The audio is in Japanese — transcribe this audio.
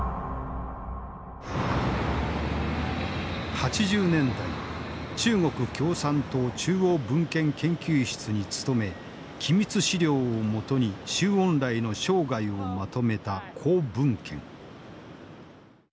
８０年代中国共産党中央文献研究室に勤め機密資料を基に周恩来の生涯をまとめた高文謙。